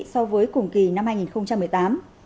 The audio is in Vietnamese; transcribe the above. so với cùng kỳ năm hai nghìn một mươi tám